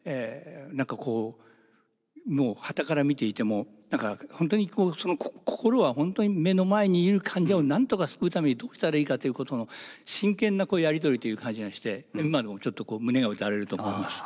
何かこうもうはたから見ていても何か本当にその心は本当に目の前にいる患者を何とか救うためにどうしたらいいかということの真剣なやり取りという感じがして今でもちょっとこう胸が打たれると思います